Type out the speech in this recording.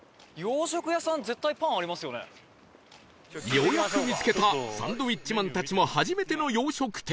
ようやく見つけたサンドウィッチマンたちも初めての洋食店